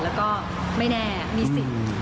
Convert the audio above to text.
แล้วก็ไม่แน่มีสิทธิ์